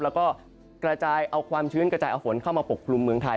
แล้วก็กระจายเอาความชื้นกระจายเอาฝนเข้ามาปกคลุมเมืองไทย